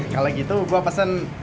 kalo gitu gua pesen